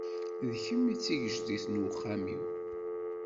D kemm i d tigejdit n uxxam-iw.